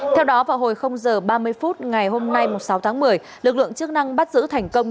theo đó vào hồi h ba mươi phút ngày hôm nay sáu tháng một mươi lực lượng chức năng bắt giữ thành công